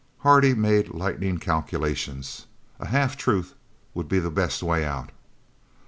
Hardy made lightning calculations. A half truth would be the best way out.